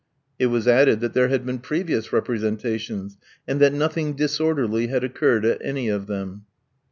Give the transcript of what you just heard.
It was added that there had been previous representations, and that nothing disorderly had occurred at any of them.